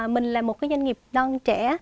mình là một cái doanh nghiệp đơn trẻ